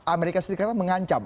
amerika serikat akan mengancam